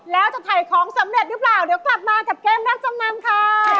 แล้วจะถ่ายของสำเร็จหรือเปล่าเดี๋ยวกลับมากับเกมรับจำนำค่ะ